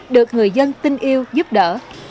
được người dân tin yêu giúp đỡ